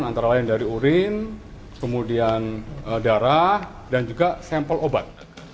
antara lain dari urin kemudian darah dan juga sampel obat